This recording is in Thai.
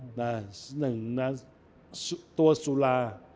หนึ่งตัวสุรา